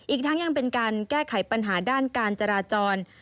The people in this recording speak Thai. อีกทั้งยังเป็นการแก้ไขปัญหาด้านการจราจร